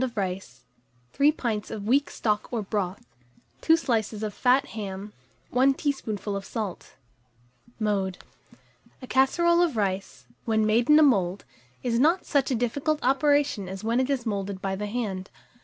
of rice, 3 pints of weak stock or broth, 2 slices of fat ham, 1 teaspoonful of salt. [Illustration: CASSEROLE OF RICE.] Mode. A casserole of rice, when made in a mould, is not such a difficult operation as when it is moulded by the hand.